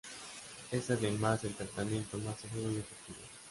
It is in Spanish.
Es además el tratamiento más seguro y efectivo.